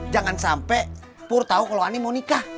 jangan sampai pur tahu kalau ani mau nikah